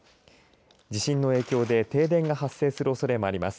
地震の影響で停電が発生するおそれもあります。